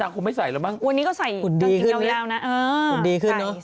นางมันคงไม่ใส่แล้วมั้งผุดดีขึ้นรึเปล่า